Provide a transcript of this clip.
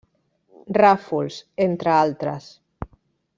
Ràfols, entre altres.